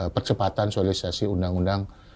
percepatan sosialisasi undang undang